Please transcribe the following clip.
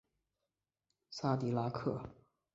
萨迪拉克。